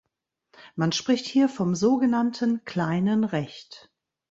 Man spricht hier vom sogenannten kleinen Recht.